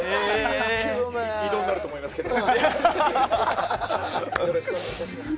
異動があると思いますけど。